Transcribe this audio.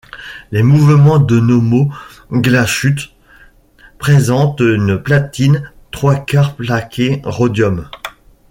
Les mouvements de Nomos Glashütte présentent une platine trois-quarts plaquée rhodium.